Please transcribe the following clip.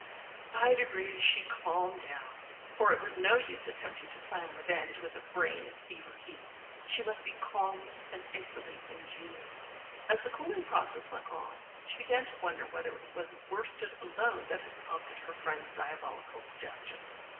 ... By degrees she calmed down, for it was no use attempting to plan revenge with a brain at fever heat. She must be calm and icily ingenious. As the cooling process went on she began to wonder whether it was worsted alone that had prompted her friend's diabolical suggestion.